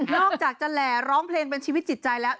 อกจากจะแหล่ร้องเพลงเป็นชีวิตจิตใจแล้ว